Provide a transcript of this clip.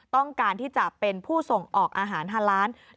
ต้องการที่จะเป็นผู้ส่งออกอาหารฮาล้าน